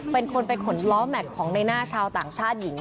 เป็นคนไปขนล้อแม็กซ์ของในหน้าชาวต่างชาติหญิง